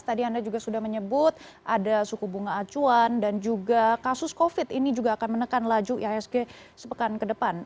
tadi anda juga sudah menyebut ada suku bunga acuan dan juga kasus covid ini juga akan menekan laju ihsg sepekan ke depan